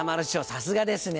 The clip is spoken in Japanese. さすがですね！